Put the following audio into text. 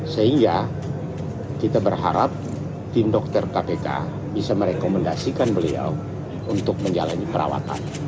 sehingga kita berharap tim dokter kpk bisa merekomendasikan beliau untuk menjalani perawatan